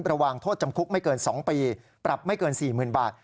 ระหว่างโทษจำคุกไม่เกิน๒ปีปรับไม่เกิน๔๐๐๐บาท